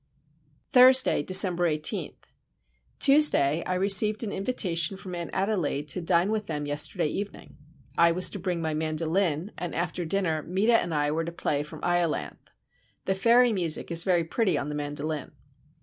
Thursday, December 18. Tuesday I received an invitation from Aunt Adelaide to dine with them yesterday evening. I was to bring my mandolin, and after dinner Meta and I were to play from Iolanthe. The fairy music is very pretty on the mandolin.